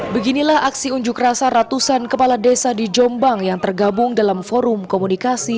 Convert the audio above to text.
beginilah aksi unjuk rasa ratusan kepala desa di jombang yang tergabung dalam forum komunikasi